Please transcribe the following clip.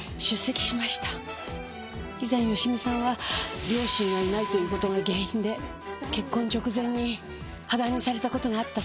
以前芳美さんは両親がいないという事が原因で結婚直前に破談にされた事があったそうです。